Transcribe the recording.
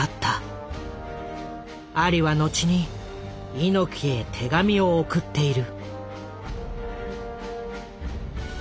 アリは後に猪木へ手紙を送っている。